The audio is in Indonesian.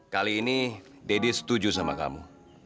kali ini deddy setuju sama kamu